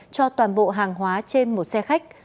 cho toàn bộ hàng hóa trên một xe khách